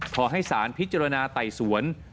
ขอให้สารพิจารณาไต่สวน